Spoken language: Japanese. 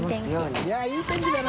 いやいい天気だな。